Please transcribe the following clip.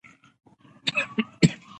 چا د آس نعلونه له سرو زرو جوړ کړي دي.